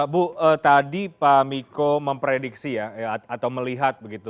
bu tadi pak miko memprediksi ya atau melihat begitu